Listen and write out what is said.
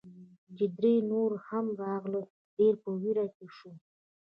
چې درې نورې هم راغلې، ډېر په ویره کې شوو.